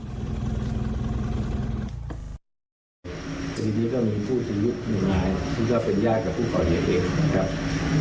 ทีนี้ก็มีผู้ที่ยุคหนึ่งลายที่ก็เป็นยากกับผู้ขอเดียวเองนะครับ